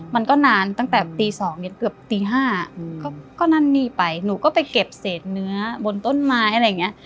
มันก็นานตั้งแต่ตี๒เนี่ยเกือบตี๕ก็นั่นนี่ไปหนูก็ไปเก็บเศษเนื้อบนต้นไม้อะไรอย่างนี้